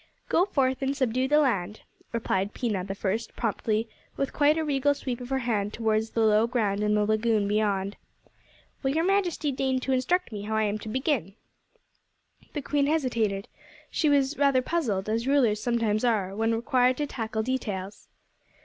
"Go forth and subdue the land," replied Pina the First, promptly, with quite a regal sweep of her hand towards the low ground and the lagoon beyond. "Will your Majesty deign to instruct me how I am to begin?" The Queen hesitated. She was rather puzzled, as rulers sometimes are when required to tackle details.